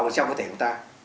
trong cơ thể chúng ta